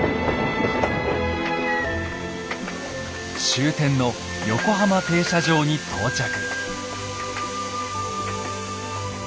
終点の横浜停車場に到着。